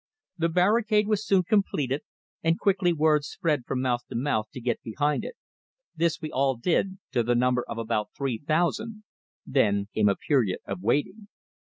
The barricade was soon completed, and quickly word spread from mouth to mouth to get behind it. This we all did, to the number of about three thousand; then came a period of waiting.